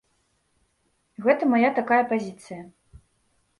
Гэта мая такая пазіцыя.